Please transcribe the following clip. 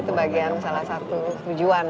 itu bagian salah satu tujuan